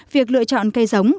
việc lựa chọn cây giống